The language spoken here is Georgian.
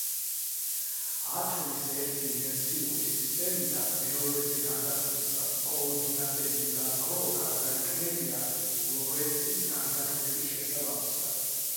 ათვლის ერთი ინერციული სისტემიდან მეორეზე გადასვლისას კოორდინატები და დრო გარდაიქმნებიან ლორენცის გარდაქმნების შესაბამისად.